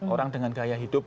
orang dengan gaya hidup